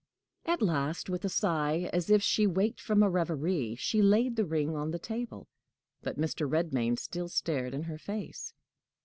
At last, with a sigh, as if she waked from a reverie, she laid the ring on the table. But Mr. Redmain still stared in her face.